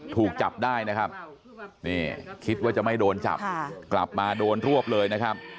ถูกจับได้นะครับนี่คิดว่าจะไม่โดนจับกลับมาโดนรวบเลยนะครับ